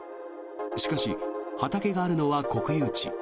しかし、畑があるのは国有地。